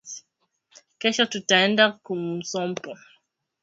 Kesho taenda kumusompo